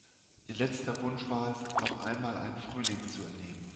Ihr letzter Wunsch war es, noch einmal einen Frühling zu erleben.